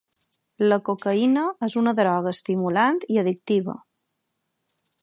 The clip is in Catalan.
La cocaïna és una droga estimulant i addictiva.